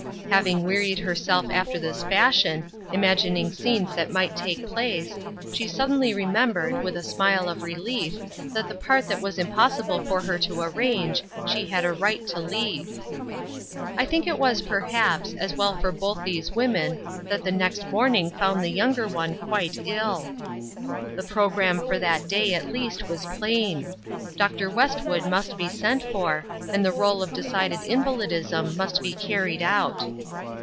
Having wearied herself after this fashion, im agining scenes that might take place, she suddenly remembered, with a smile of relief, that the part that it was impossible for her to arrange, she had a right to leave. I think it was, perhaps, as well for both these women that the next morning found the younger one quite ill. The programme for that day, at least, was plain. Dr. Westwood must be sent for, and the role of decided invalidism must be carried out.